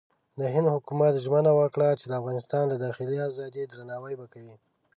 د هند حکومت ژمنه وکړه چې د افغانستان د داخلي ازادۍ درناوی به کوي.